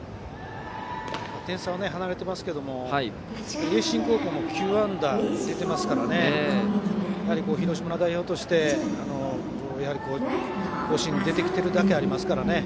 点差は離れていますが盈進高校も９安打出ているので広島代表として甲子園に出てきてるだけありますからね。